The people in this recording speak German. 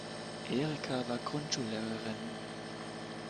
Erika war Grundschullehrerin.